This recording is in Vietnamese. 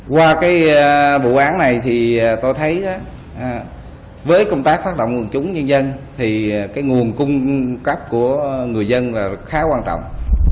qua cái vụ án này thì tôi thấy với công tác phát động quần chúng nhân dân thì cái nguồn cung cấp của người dân là khá quan trọng